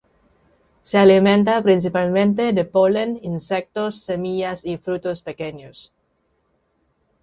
Se alimenta principalmente de polen, insectos, semillas y frutos pequeños.